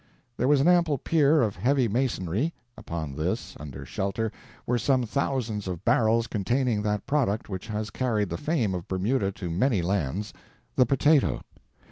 There was an ample pier of heavy masonry; upon this, under shelter, were some thousands of barrels containing that product which has carried the fame of Bermuda to many lands, the potato.